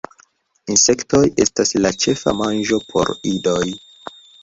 Insektoj estas la ĉefa manĝo por idoj.